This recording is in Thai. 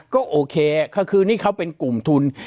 ก็โอเคนี่เค้าเป็นกลุ่มทุน